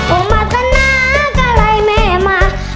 โอ้มัธนากะไรแม่มา